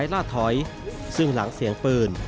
ผู้ก่อการร้ายล่าถอยซึ่งหลังเสียงปืน